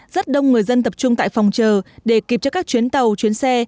rất đông người dân tập trung tại phòng chờ để kịp cho các chuyến tàu chuyến xe